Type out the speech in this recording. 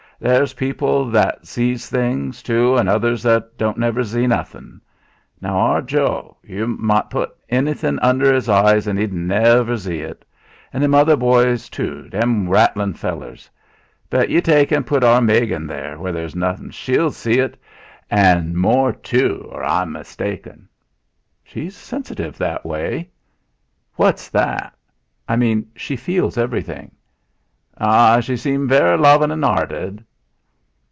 There's people that zee things, tu, an' others that don't never zee nothin'. Now, our Joe yu might putt anything under'is eyes an e'd never zee it; and them other boys, tu, they'm rattlin' fellers. But yu take an' putt our Megan where there's suthin', she'll zee it, an' more tu, or I'm mistaken." "She's sensitive, that's why." "What's that?" "I mean, she feels everything." "Ah! She'm very lovin' '.arted."